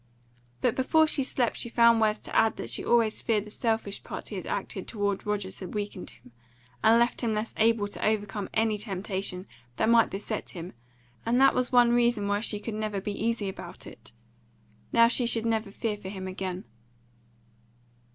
But before she slept she found words to add that she always feared the selfish part he had acted toward Rogers had weakened him, and left him less able to overcome any temptation that might beset him; and that was one reason why she could never be easy about it. Now she should never fear for him again.